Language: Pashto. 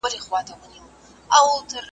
د درخانۍ د ځوانیمرګو حجابونو کیسه ,